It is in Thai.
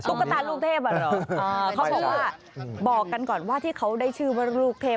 ตาลูกเทพอ่ะเหรอเขาบอกว่าบอกกันก่อนว่าที่เขาได้ชื่อว่าลูกเทพ